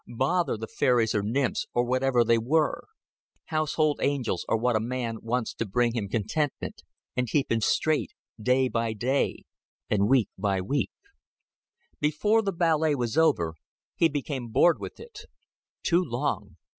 Bother the fairies or nymphs, or whatever they were. Household angels are what a man wants to bring him contentment; and keep him straight, day by day, and week by week. Before the ballet was over, he became bored with it. Too long!